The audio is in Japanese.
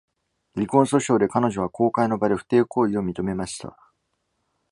離婚訴訟で、彼女は公開の場で不貞行為を認めました。